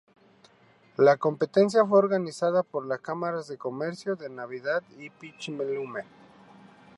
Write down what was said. La competencia fue organizada por las Cámaras de Comercio de Navidad y Pichilemu.